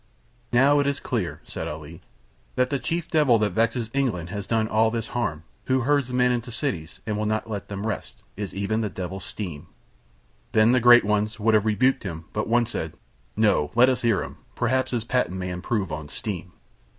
"Now it is clear," said Ali, "that the chief devil that vexes England and has done all this harm, who herds men into cities and will not let them rest, is even the devil Steam." Then the great ones would have rebuked him but one said: "No, let us hear him, perhaps his patent may improve on steam."